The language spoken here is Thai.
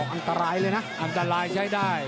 อันตรายเป็นงานและใช้ได้